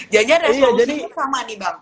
jangan jangan resolusinya sama nih bang